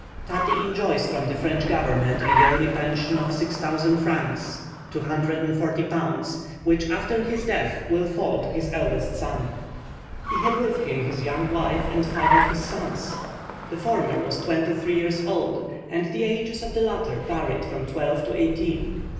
Tati enjoys from the French government a yearly pension of 6,000 francs (240 pounds), which, after his death, will fall to his eldest son. He had with him his young wife and five of his sons; the former was twenty three years old, and the ages of the latter varied from twelve to eighteen.